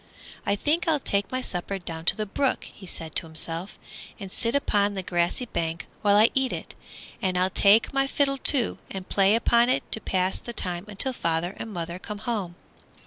"I think I'll take my supper down to the brook," he said to himself, "and sit upon the grassy bank while I eat it. And I'll take my fiddle, too, and play upon it to pass the time until father and mother come home."